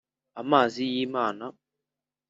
Amazi y’ Imana